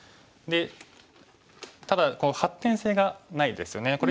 でただ発展性がないですよね。